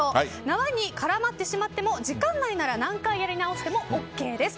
縄に絡まってしまっても時間内なら何回やり直してもＯＫです。